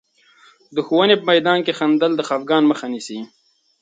د ښوونې په میدان کې خندل، د خفګان مخه نیسي.